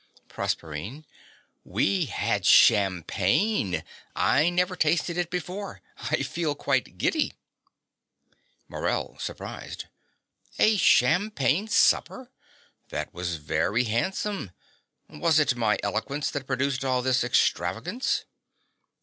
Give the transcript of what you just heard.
PROSERPINE. We had champagne! I never tasted it before. I feel quite giddy. MORELL (surprised). A champagne supper! That was very handsome. Was it my eloquence that produced all this extravagance?